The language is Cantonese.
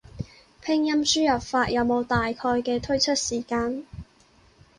拼音輸入法有冇大概嘅推出時間？